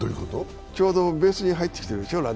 ちょうどベースにランナーが入ってきてるでしょ？